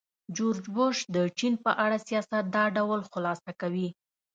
جورج بوش د چین په اړه سیاست دا ډول خلاصه کوي.